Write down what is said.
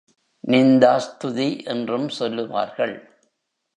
நிந்தாஸ்துதி என்றும் சொல்லுவார்கள்.